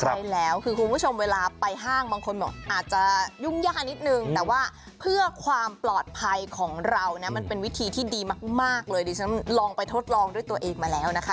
ใช่แล้วคือคุณผู้ชมเวลาไปห้างบางคนบอกอาจจะยุ่งยากนิดนึงแต่ว่าเพื่อความปลอดภัยของเรานะมันเป็นวิธีที่ดีมากเลยดิฉันลองไปทดลองด้วยตัวเองมาแล้วนะคะ